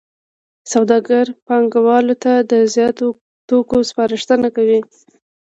سوداګر پانګوالو ته د زیاتو توکو سپارښتنه کوي